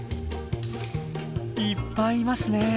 いっぱいいますね。